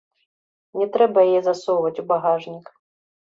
Не трэба яе засоўваць у багажнік.